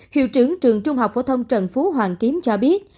hiệu trưởng trường trung học phổ thông trần phú hoàng kiếm cho biết